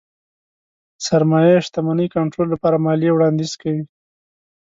سرمايې شتمنۍ کنټرول لپاره ماليې وړانديز کوي.